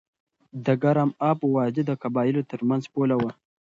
د ګرم آب وادي د قبایلو ترمنځ پوله وه.